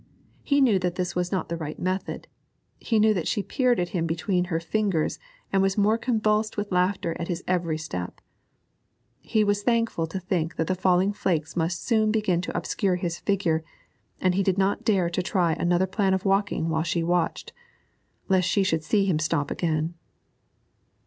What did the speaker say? He knew that this was not the right method; he knew that she peered at him between her fingers and was more convulsed with laughter at his every step. He was thankful to think that the falling flakes must soon begin to obscure his figure, but he did not dare to try another plan of walking while she watched, lest she should see him stop again.